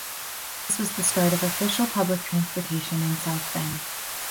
This was the start of official public transportation in South Bend.